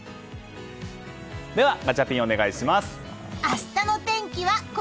では、ガチャピンお願いします。